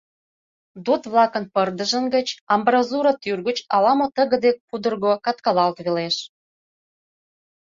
ДОТ-влакын пырдыжын гыч, амбразура тӱр гыч ала-мо тыгыде пудырго каткалалт велеш.